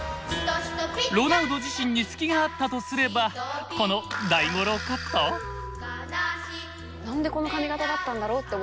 ロナウド自身に隙があったとすればこの何でこの髪形だったんだろうって。